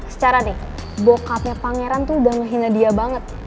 secara nih bokapnya pangeran tuh udah menghina dia banget